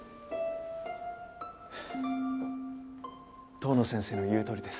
遠野先生の言うとおりです。